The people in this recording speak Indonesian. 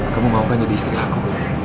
kamu mau kan jadi istri aku